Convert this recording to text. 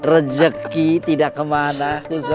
rezeki tidak kemana